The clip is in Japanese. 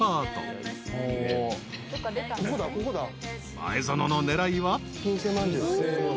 ［前園の狙いは］